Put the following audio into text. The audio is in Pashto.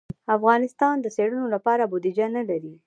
افغانستان د څېړنو لپاره بودیجه نه لري.